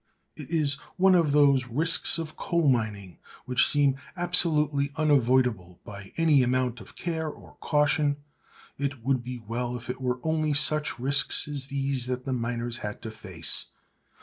It is one of those risks of coal mining which seem absolutely unavoidable by any amount of care or caution. It would be well if it were only such risks as these that the miner had to face.